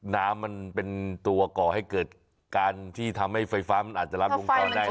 น้ำมันเป็นตัวก่อให้เกิดการที่ทำให้ไฟฟ้ามันอาจจะลัดวงจรได้